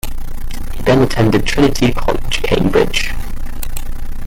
He then attended Trinity College, Cambridge.